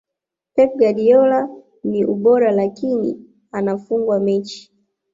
pep guardiola niUbora lakini anafungwa mechi